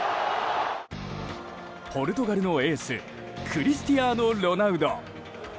ポルトガルのエースクリスティアーノ・ロナウド。